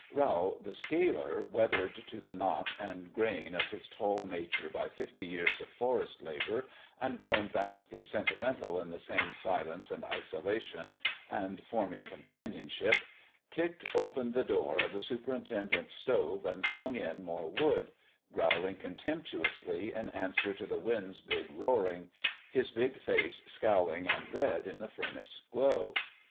Rowl, the sealer, weathered to the knot and grain of his tall nature by fifty years of forest labour, and grown vastly sentimental in the same silence and isolation and forming com panionship, kicked open the door of the superin tendent's stove and flung in more wood, growl ing contemptuously in answer to the wind's big roaring, his big face scowling and red in the furnace glow.